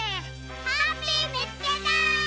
ハッピーみつけた！